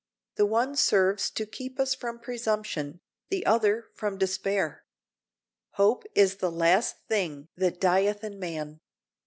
The one serves to keep us from presumption, the other from despair. Hope is the last thing that dieth in man.